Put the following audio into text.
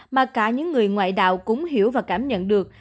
mà cả những người ngoại đạo cũng hiểu và cảm nhận được